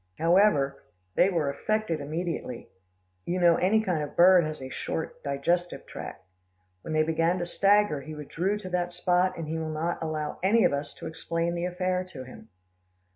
"However, they were affected immediately. You know any kind of a bird has a short digestive tract. When they began to stagger, he withdrew to that spot, and he will not allow any of us to explain the affair to him."